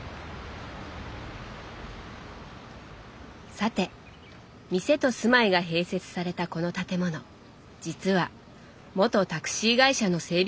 さて店と住まいが併設されたこの建物実は元タクシー会社の整備